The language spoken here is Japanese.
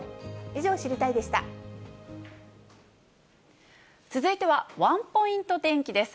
以上、続いては、ワンポイント天気です。